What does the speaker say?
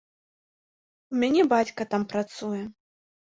У мяне бацька там працуе.